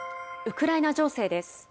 ウクライナ情勢です。